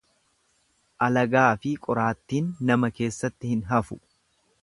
Alagaafi qoraattiin nama keessatti hin hafu.